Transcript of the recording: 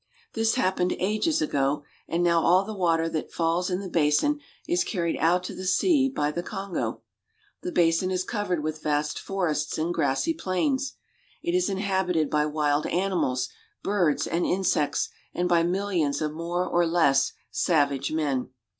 This happened ages ago, and now all the water that falls in the basin is carried out to the sea by the Kongo. The basin is covered with vast forests and grassy plains. It is inhabited by wild animals, birds, and insects, and by millions of more or less savage men.